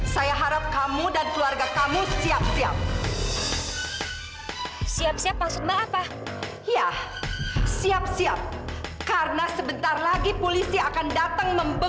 sampai jumpa di video selanjutnya